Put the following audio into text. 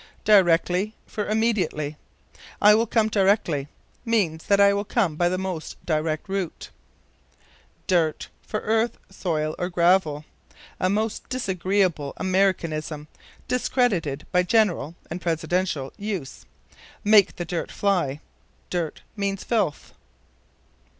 Directly for Immediately. "I will come directly" means that I will come by the most direct route. Dirt for Earth, Soil, or Gravel. A most disagreeable Americanism, discredited by general (and Presidential) use. "Make the dirt fly." Dirt means filth.